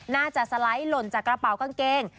สไลด์หล่นจากกระเป๋ากางเกง